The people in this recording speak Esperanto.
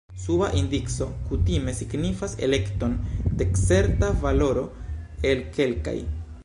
Suba indico kutime signifas elekton de certa valoro el kelkaj.